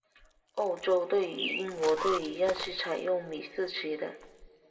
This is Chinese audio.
澳洲队与英国队一样是采用米字旗的。